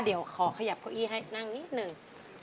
เดี๋ยวขอขยับเก้าอี้ให้นั่งนิดนึง